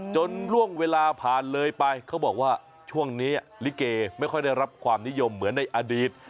ล่วงเวลาผ่านเลยไปเขาบอกว่าช่วงนี้ลิเกไม่ค่อยได้รับความนิยมเหมือนในอดีต